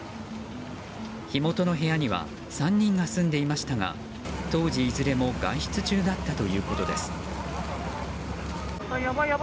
火元の部屋には３人が住んでいましたが当時いずれも外出中だったということです。